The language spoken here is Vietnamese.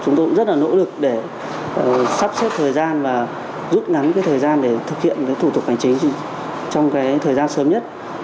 chúng tôi cũng rất là nỗ lực để sắp xếp thời gian và rút ngắn thời gian để thực hiện thủ tục hành chính trong thời gian sớm nhất